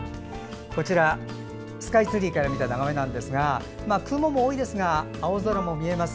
こちらスカイツリーから見た眺めなんですが雲も多いですが、青空も見えます。